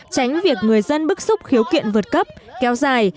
tránh việc người dân bức xúc khiếu kiện vượt cấp kéo dài